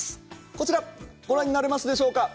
こちらご覧になれますでしょうか